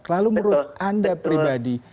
lalu menurut anda pribadi